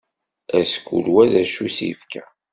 Ass kul wa d acu i s-yefka.